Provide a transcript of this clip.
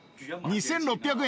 ２，６００円！？